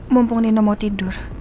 mumpung nino mau tidur